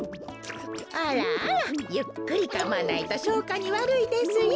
あらあらゆっくりかまないとしょうかにわるいですよ。